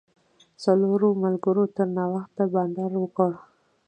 څلورو ملګرو تر ناوخته بانډار وکړ.